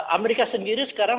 amerika sendiri sekarang